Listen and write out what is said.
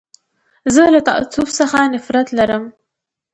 زه له تعصب څخه نفرت لرم.